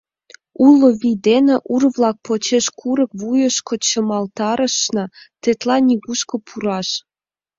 Уло вий дене ур-влак почеш курык вуйышко чымалтарышна — тетла нигушко пураш.